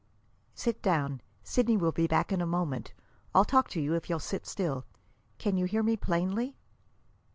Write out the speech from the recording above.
"Sit down. Sidney will be back in a moment. I'll talk to you, if you'll sit still. Can you hear me plainly?"